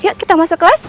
yuk kita masuk kelas